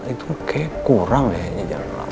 itu kayaknya kurang ya